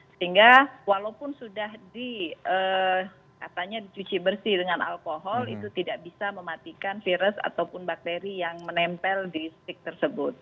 sehingga walaupun sudah di katanya dicuci bersih dengan alkohol itu tidak bisa mematikan virus ataupun bakteri yang menempel di stick tersebut